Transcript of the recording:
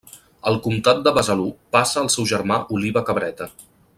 El comtat de Besalú passa al seu germà Oliba Cabreta.